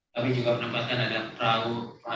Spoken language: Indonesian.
tapi juga penempatan ada perahu